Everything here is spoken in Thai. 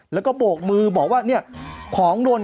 แล้วก็โบกมือบอกว่าของลน